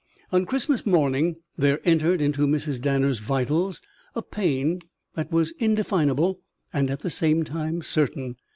On Christmas morning there entered into Mrs. Danner's vitals a pain that was indefinable and at the same time certain.